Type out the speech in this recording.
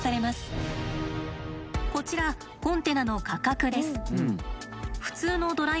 こちらコンテナの価格です。